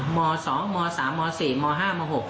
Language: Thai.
ม๒ม๓ม๔ม๕ม๖